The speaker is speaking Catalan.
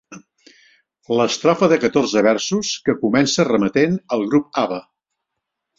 L'estrofa de catorze versos que comença remetent al grup Abba.